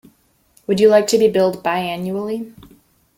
Would you like to be billed bi-annually?